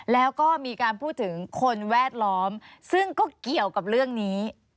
แล้วก็มีการพูดถึงคนแวดล้อมซึ่งก็เกี่ยวกับเรื่องนี้